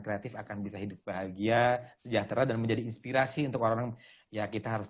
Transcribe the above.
kreatif akan bisa hidup bahagia sejahtera dan menjadi inspirasi untuk orang orang ya kita harus